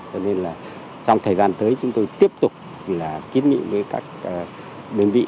cho nên là trong thời gian tới chúng tôi tiếp tục là kiến nghị với các đơn vị